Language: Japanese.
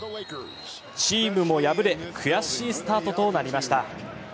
チームも破れ悔しいスタートとなりました。